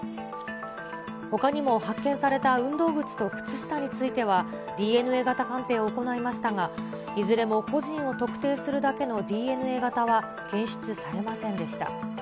ほかにも発見された運動靴と靴下については、ＤＮＡ型鑑定を行いましたが、いずれも個人を特定するだけのＤＮＡ型は検出されませんでした。